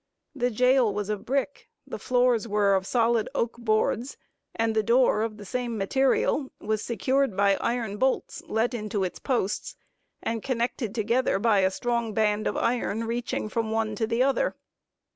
The jail was of brick, the floors were of solid oak boards, and the door, of the same material, was secured by iron bolts, let into its posts, and connected together by a strong band of iron, reaching from the one to the other.